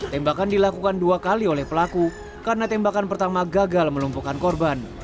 tembakan dilakukan dua kali oleh pelaku karena tembakan pertama gagal melumpuhkan korban